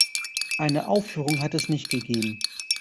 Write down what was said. Eine Aufführung hat es nicht gegeben.